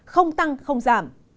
không tăng không giảm